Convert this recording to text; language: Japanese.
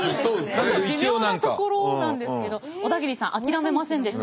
ちょっと微妙なところなんですけど小田切さん諦めませんでした。